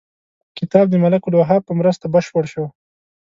کتاب د ملک الوهاب په مرسته بشپړ شو.